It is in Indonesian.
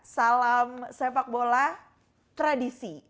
salam sepak bola tradisi